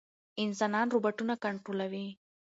انسانان روباټونه کنټرولوي.